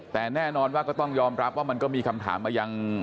แต่แน่นอนว่าก็ต้องยอมรับว่ามันก็มีคำถามมายัง